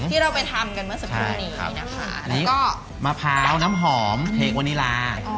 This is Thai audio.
กันเมื่อสักครู่นี้นะคะแล้วก็มะพร้าวน้ำหอมเทกวานิลาอ๋อ